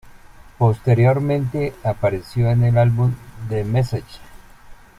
Posteriormente, apareció en el álbum "The Message".